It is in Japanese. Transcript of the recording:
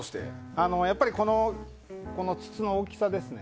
やっぱりこの筒の大きさですね。